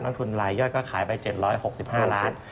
ลงทุนลายย่อยก็ขายไป๗๖๕ล้าน